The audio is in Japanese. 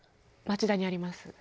町田にあります。